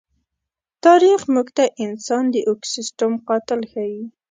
تاریخ موږ ته انسان د ایکوسېسټم قاتل ښيي.